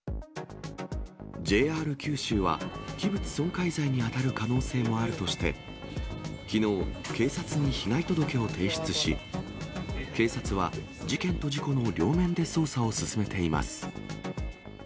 ＪＲ九州は、器物損壊罪に当たる可能性もあるとして、きのう、警察に被害届を提出し、警察は事件と事故の両面で捜査を進めています。